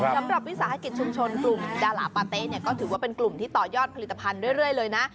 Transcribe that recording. วิสาหกิจชุมชนกลุ่มดาราปาเต๊ะเนี่ยก็ถือว่าเป็นกลุ่มที่ต่อยอดผลิตภัณฑ์เรื่อยเลยนะ